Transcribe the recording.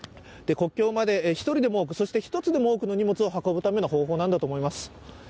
国境まで一人でも多く、そして一つでも多くの荷物を運ぶための方法なんだと思います。